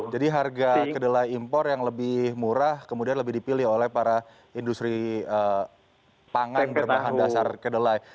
jadi harga kedelai impor yang lebih murah kemudian lebih dipilih oleh para industri pangan berbahan dasar kedelai